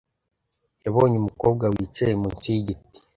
yabonye umukobwa wicaye munsi yigiti